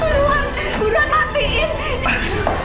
buruan buruan latiin